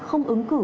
không ứng cử